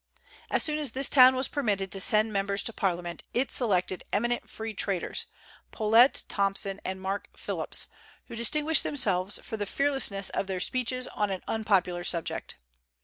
As soon as this town was permitted to send members to Parliament it selected eminent free traders, Poulett Thomson and Mark Phillips, who distinguished themselves for the fearlessness of their speeches on an unpopular subject.